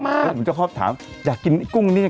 แต่ผมจะขอบถามอยากกินกุ้งดงนี้